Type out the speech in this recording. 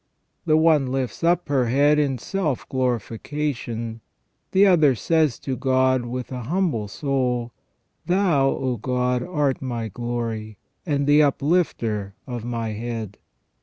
The one lifts up her head in self glorification ; the other says to God with an humble soul, " Thou, O God, art my glory, and the uplifter of my head